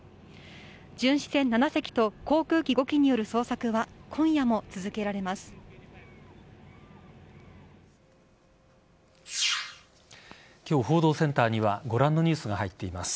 巡視船７隻と航空機５機による捜索は、今夜も続けられます。